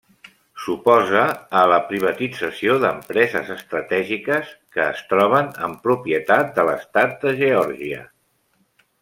S'oposa a la privatització d'empreses estratègiques, que es troben en propietat de l'Estat de Geòrgia.